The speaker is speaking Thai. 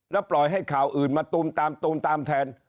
แล้วปล่อยให้ข่าวอื่นมาตูมตามตูมตามแทน